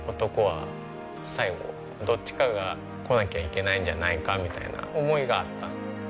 どっちかが来なきゃいけないんじゃないかみたいな思いがあった。